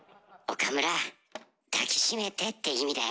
「岡村抱き締めて」って意味だよ。